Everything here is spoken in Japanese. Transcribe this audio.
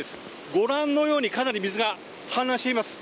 ご覧のようにかなり水が氾濫しています。